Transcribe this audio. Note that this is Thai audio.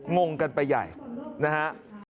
งงกันไปใหญ่นะฮะ